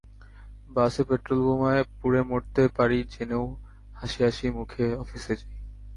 বাসে পেট্রলবোমায় পুড়ে মরতে পারি জেনেও হাসি হাসি মুখে অফিসে যাই।